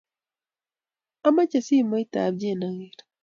Amache simoit ab Jane aker